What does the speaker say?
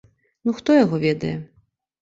Ну, хто яго ведае.